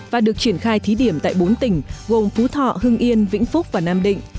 và được triển khai thí điểm tại bốn tỉnh gồm phú thọ hưng yên vĩnh phúc và nam định